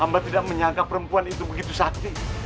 amba tidak menyangka perempuan itu begitu sakti